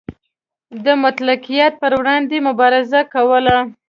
د مطلقیت پر وړاندې یې مبارزه کوله.